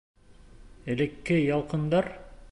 Элекке ялҡындар?